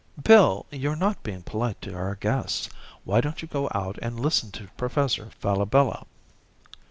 "Bill, you're not being polite to our guests. Why don't you go out and listen to Professor Falabella?"